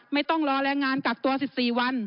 ไม่ต้องรอแรงงานกักตัว๑๔วัน